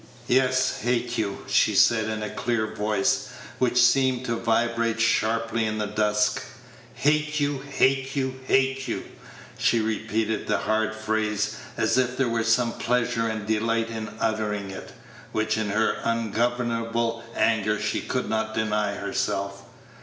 "Yes, hate you," she said, in a clear voice, which seemed to vibrate sharply in the dusk "hate you, hate you, hate you!" She repeated the hard phrase, as if there were some pleasure and delight in uttering it, which in her ungovernable anger she could not deny herself.